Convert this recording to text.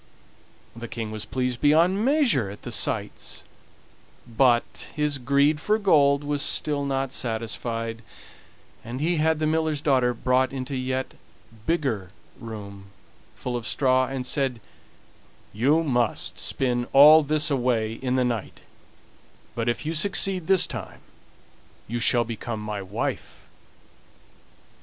The King was pleased beyond measure at the sights but his greed for gold was still not satisfied, and he had the miller's daughter brought into a yet bigger room full of straw, and said: "You must spin all this away in the night; but if you succeed this time you shall become my wife."